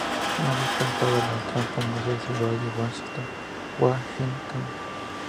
Una vez plantada la trampa, Moses se va de Washington.